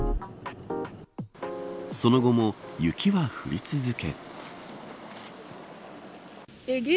その後も雪は降り続け。